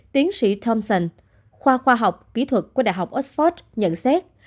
tiến sĩ thomson khoa khoa học kỹ thuật của đại học oxford nhận xét